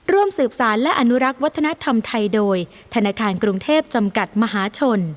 ร่วมสืบสารและอนุรักษ์วัฒนธรรมไทยโดยธนาคารกรุงเทพจำกัดมหาชน